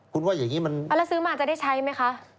คุณว่าอย่างนี้มันแล้วซื้อมาจะได้ใช้ไหมคะ